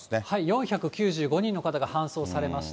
４９５人の方が搬送されました。